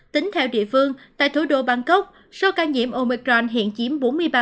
tính theo địa phương tại thủ đô bangkok số ca nhiễm omicron hiện chiếm bốn mươi ba